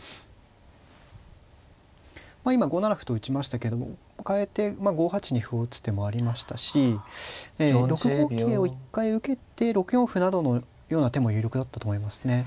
今５七歩と打ちましたけどかえて５八に歩を打つ手もありましたし６五桂を一回受けて６四歩などのような手も有力だったと思いますね。